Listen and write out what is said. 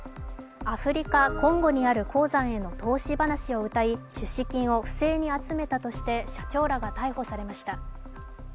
アフリカ・コンゴにある鉱山への投資話をうたい、出資金を不正に集めたとして社長らが逮捕されました。